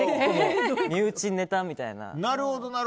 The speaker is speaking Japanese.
身内ネタみたいな。